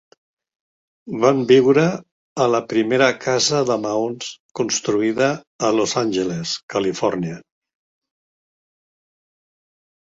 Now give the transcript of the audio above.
Van viure a la primera casa de maons construïda a Los Angeles, Califòrnia.